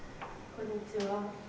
こんにちは。